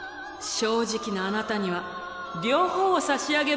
正直なあなたには両方を差し上げましょう。